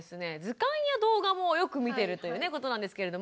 図鑑や動画もよく見ているということなんですけれども。